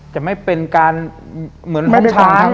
จะไม่เป็นการเหมือนเอาช้าง